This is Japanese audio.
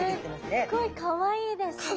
すっごいかわいいですね。